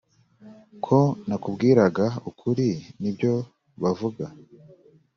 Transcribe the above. Ko nakubwiraga ukuri nibyo bavuga